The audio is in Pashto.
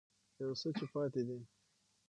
يو څه چې پاتې دي